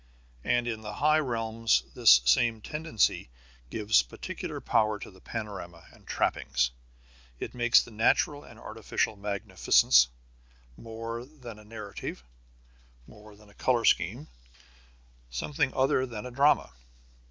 And in the higher realms this same tendency gives particular power to the panorama and trappings. It makes the natural and artificial magnificence more than a narrative, more than a color scheme, something other than a drama.